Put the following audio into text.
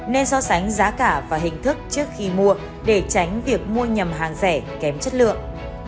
nên so sánh giá cả và hình thức trước khi mua để tránh việc mua nhầm hàng rẻ kém chất lượng